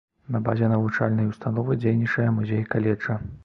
На базе навучальнай установы дзейнічае музей каледжа.